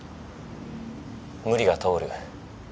無理が通る。